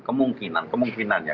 kemungkinan kemungkinan ya